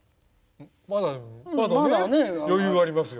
まだ余裕ありますよね。